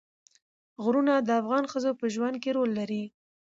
غرونه د افغان ښځو په ژوند کې رول لري.